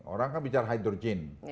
orang kan bicara hydrogen